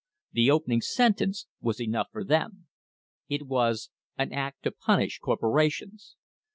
The opening sen tence was enough for them. It was "An act to punish cor porations."